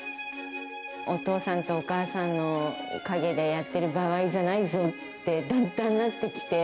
お父さんとお母さんの陰でやってる場合じゃないぞって、だんだんなってきて。